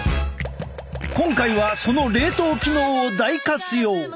今回はその冷凍機能を大活用！